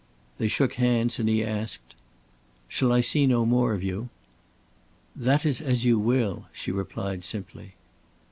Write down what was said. They shook hands, and he asked: "Shall I see no more of you?" "That is as you will," she replied, simply.